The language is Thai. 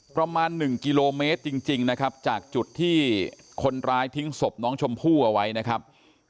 ประมาณ๑กิโลเมตรจริงนะครับจากจุดที่คนร้ายทิ้งศพน้องชมพู่เอาไว้นะครับ